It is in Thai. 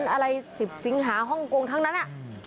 อะไรสิบสิงหาห้องกงทั้งนั้นอะ